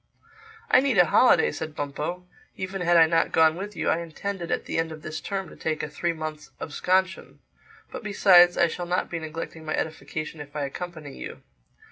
"I need a holiday," said Bumpo. "Even had I not gone with you, I intended at the end of this term to take a three months' absconsion—But besides, I shall not be neglecting my edification if I accompany you.